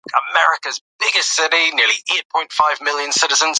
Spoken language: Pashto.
که نجونې جامې وینځي نو کالي به نه وي چټل.